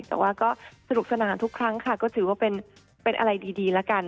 แต่ว่าก็สนุกสนานทุกครั้งค่ะก็ถือว่าเป็นอะไรดีแล้วกัน